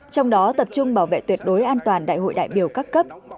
trong đó tập trung bảo vệ tuyệt đối an toàn đại hội đại biểu các cấp